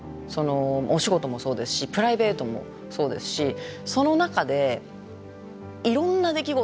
お仕事もそうですしプライベートもそうですしその中でいろんな出来事がある。